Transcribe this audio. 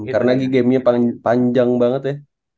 karena lagi gamenya panjang banget ya